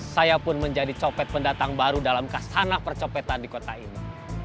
saya pun menjadi copet pendatang baru dalam kasana percopetan di kota ini